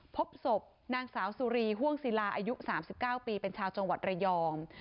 พบศพนางสาวสุรีห่วงศิลาอายุ๓๙ปีเป็นชาวจังหวัดระยอง